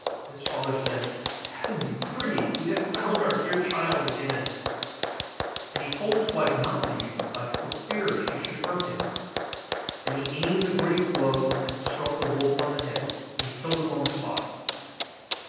And his father said, 'Heaven be praised! we have found our dear child again'; and he told his wife not to use the scythe for fear she should hurt him. Then he aimed a great blow, and struck the wolf on the head, and killed him on the spot!